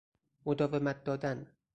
مداومت دادن